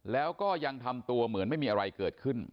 แล้วก็ยังทำตัวเหมือนไม่มีอะไรเกิดขึ้น